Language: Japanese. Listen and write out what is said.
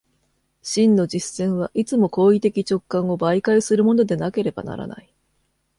真の実践はいつも行為的直観を媒介するものでなければならない。